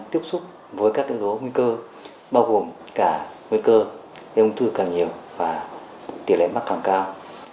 tiếp xúc với các yếu tố nguy cơ bao gồm cả nguy cơ để ung thư càng nhiều và tỷ lệ mắc càng cao